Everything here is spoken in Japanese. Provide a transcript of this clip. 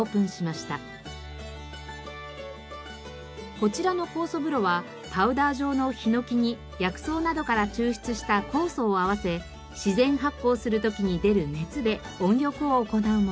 こちらの酵素風呂はパウダー状のヒノキに薬草などから抽出した酵素を合わせ自然発酵する時に出る熱で温浴を行うもの。